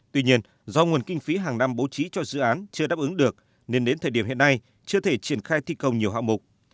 tuy nhiên do nguồn kinh phí hàng năm bố trí cho dự án chưa đáp ứng được nên đến thời điểm hiện nay chưa thể triển khai thi công nhiều hạng mục